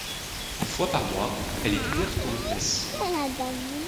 Une fois par mois elle est ouverte pour une messe.